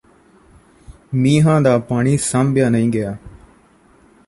ਮੀਹਾ ਦਾ ਪਾਣੀ ਸਾਂਭਿਆ ਨਹੀਂ ਗਿਆ